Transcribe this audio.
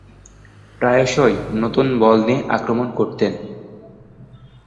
প্রায়শঃই নতুন বল নিয়ে আক্রমণ করতেন।